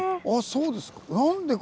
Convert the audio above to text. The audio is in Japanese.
そうですか。